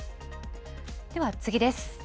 では次です。